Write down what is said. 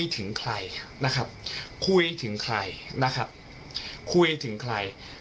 ถึงใครนะครับคุยถึงใครนะครับคุยถึงใคร